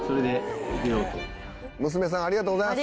ありがとうございます。